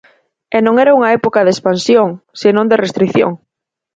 E non era unha época de expansión, senón de restrición.